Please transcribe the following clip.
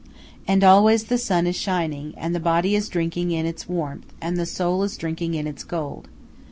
And always the sun is shining, and the body is drinking in its warmth, and the soul is drinking in its gold.